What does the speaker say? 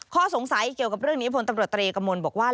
ข้อสงสัยเกี่ยวกับเรื่องนี้พลตำรวจตรีกระมวลบอกว่า